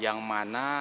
yang mana diketahui